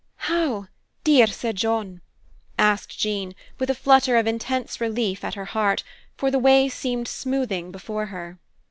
"How, dear Sir John?" asked Jean, with a flutter of intense relief at her heart, for the way seemed smoothing before her.